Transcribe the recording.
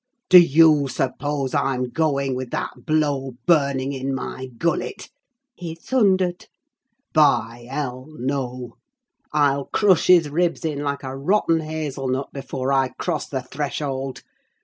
"Do you suppose I'm going with that blow burning in my gullet?" he thundered. "By hell, no! I'll crush his ribs in like a rotten hazel nut before I cross the threshold!